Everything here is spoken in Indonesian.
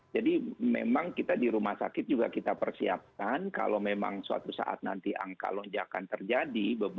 jadi memang kita di rumah sakit juga kita persiapkan kalau memang suatu saat nanti angka lonjakan terjadi